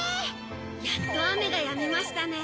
やっとあめがやみましたね。